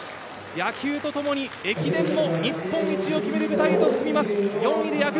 野球とともに駅伝も日本一を決める舞台へと進みます。